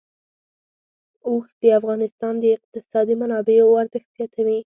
اوښ د افغانستان د اقتصادي منابعو ارزښت زیاتوي.